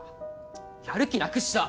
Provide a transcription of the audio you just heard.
やる気なくした。